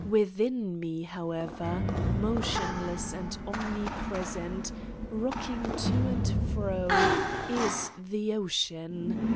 Within me, however, mo tionless and omnipresent, rocking to and fro, is the ocean.